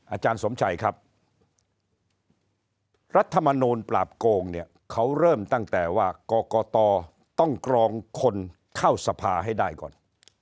อาจารย์สมชัยครับรัฐมนูลปราบโกงเนี่ยเขาเริ่มตั้งแต่ว่ากรกตต้องกรองคนเข้าสภาให้ได้ก่อน